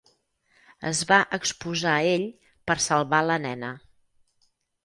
Es va exposar ell per salvar la nena.